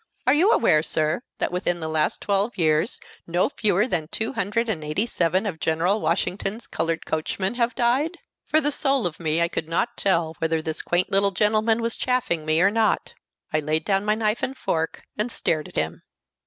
Are you aware, sir, that within the last twelve years no fewer than two hundred and eighty seven of General Washington's colored coachmen have died?" For the soul of me I could not tell whether this quaint little gentleman was chaffing me or not. I laid down my knife and fork, and stared at him.